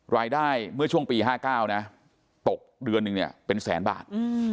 รายได้เมื่อช่วงปี๑๙๕๙ตกเดือนนึงในยังเป็นแสนบาท